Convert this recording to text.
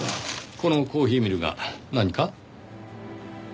このコーヒーミルが何か？